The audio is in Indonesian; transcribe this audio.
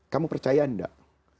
kamu percaya tidak